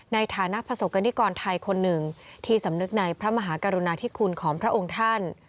ในฐานะประสบกรณิกรไทยคนหนึ่งที่สำนึกในพระมหากรุณาธิคุณของพระองค์ท่าน